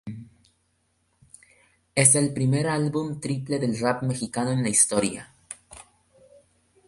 Es el primer álbum triple del rap mexicano en la historia.